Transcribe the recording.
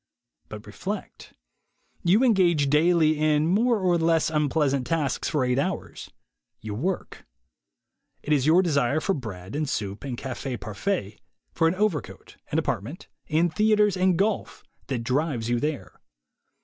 But reflect. You engage daily in more or less unpleasant tasks for eight hours; you work. It is your desire for bread and soup and cafe parfait, for an overcoat, an apartment, and theatres and golf, that drives you there.